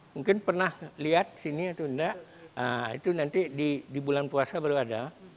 mungkin pernah lihat sini atau enggak itu nanti di bulan puasa baru ada